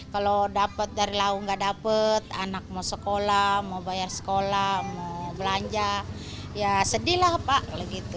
kalau dapat dari lau nggak dapat anak mau sekolah mau bayar sekolah mau belanja ya sedih lah pak